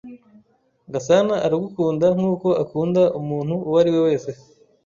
Gasana aragukunda nkuko akunda umuntu uwo ari we wese.